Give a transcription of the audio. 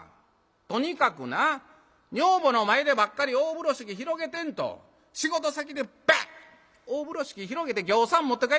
とにかくな女房の前でばっかり大風呂敷広げてんと仕事先でバッ大風呂敷広げてぎょうさん持って帰ってきなはれ」。